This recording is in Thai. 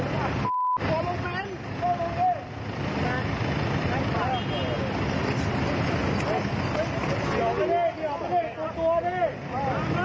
เดี๋ยวไปด้วยเดี๋ยวไปด้วยส่งตัวดิ